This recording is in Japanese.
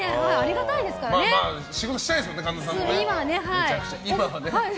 仕事したいですもんね神田さん。